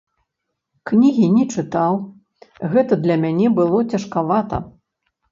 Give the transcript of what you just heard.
Кнігі не чытаў, гэта для мяне было цяжкавата.